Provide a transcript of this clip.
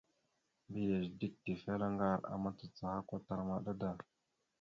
Mbiyez dik tefelaŋar a macacaha kwatar maɗa da.